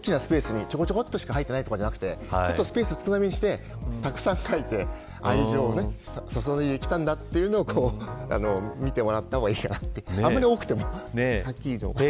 ですから、大きなスペースにちょこちょこっとしか書いてないとかじゃなくてスペース少なめにしてたくさん書いて愛情を注いできたんだというのを見てもらった方がいいかなって。